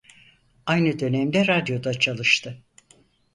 Aynı dönemde radyoda çalıştı.